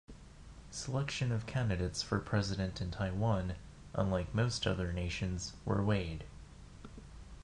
Selection of candidates for President in Taiwan, unlike most other nations, were weighed.